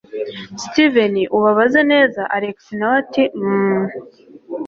steven ubabaze neza alex nawe ati hhm